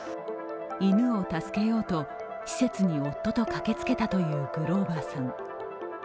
犬を助けようと施設に夫と駆けつけたというグローバーさん。